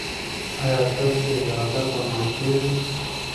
ایا ستاسو اراده به ماتیږي؟